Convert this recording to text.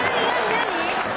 何？